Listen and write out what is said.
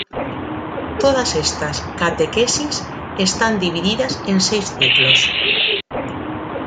Todas estas catequesis están divididas en seis ciclos.